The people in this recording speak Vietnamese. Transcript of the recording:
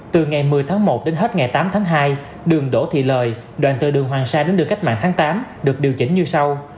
từ ngày một mươi tháng một đến hết ngày tám tháng hai đường đỗ thị lời đoạn từ đường hoàng sa đến đường cách mạng tháng tám được điều chỉnh như sau